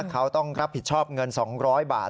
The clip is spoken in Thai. เขาต้องรับผิดชอบเงิน๒๐๐บาท